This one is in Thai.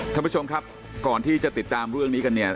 ท่านผู้ชมครับก่อนที่จะติดตามเรื่องนี้กันเนี่ย